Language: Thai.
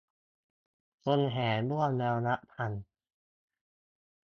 คนแห่ร่วมแล้วนับพัน